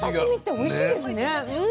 おいしいですよね。